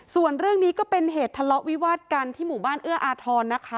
ส่วนเรื่องนี้ก็เป็นเหตุทะเลาะวิวาดกันที่หมู่บ้านเอื้ออาทรนะคะ